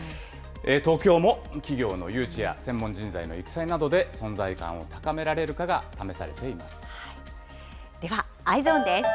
東京も企業の誘致や専門人材の育成などで存在感を高められるかがではＥｙｅｓｏｎです。